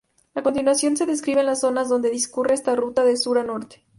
A continuación se describen las zonas donde discurre esta ruta de sur a norte.